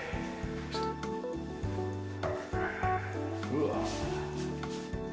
うわ。